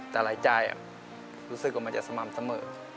แต่รายจ่ายอ่ะรู้สึกว่ามันจะสม่ำเสมอ